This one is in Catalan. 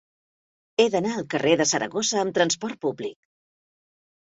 He d'anar al carrer de Saragossa amb trasport públic.